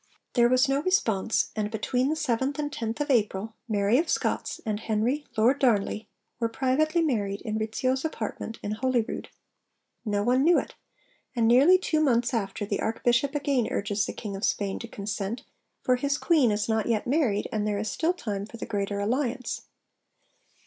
There was no response, and between the 7th and 10th of April, Mary of Scots and Henry Lord Darnley were privately married in Rizzio's apartment in Holyrood. No one knew it; and nearly two months after, the Archbishop again urges the King of Spain to consent, for his Queen is not yet married, and there is still time for the greater alliance.